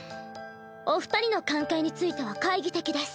お二人の関係については懐疑的です。